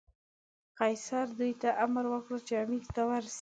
قیصر دوی ته امر وکړ چې امیر ته ورسي.